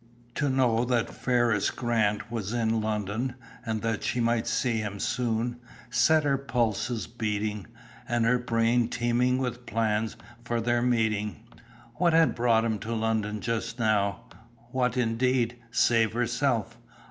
To know that "Ferriss Grant" was in London, and that she might see him soon, set her pulses beating, and her brain teeming with plans for their meeting. What had brought him to London just now? What, indeed, save herself?